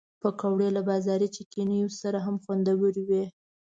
پکورې له بازاري چټني سره هم خوندورې وي